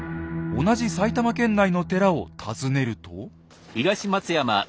同じ埼玉県内の寺を訪ねると。